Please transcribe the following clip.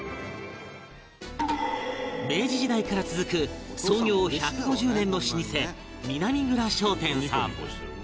明治時代から続く創業１５０年の老舗南蔵商店さん